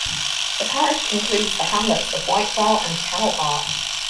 The parish includes the hamlets of Whitewell and Cow Ark.